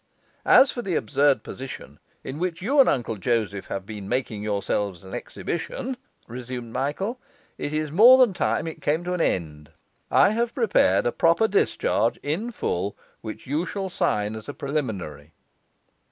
'As for the absurd position in which you and Uncle Joseph have been making yourselves an exhibition,' resumed Michael, 'it is more than time it came to an end. I have prepared a proper discharge in full, which you shall sign as a preliminary.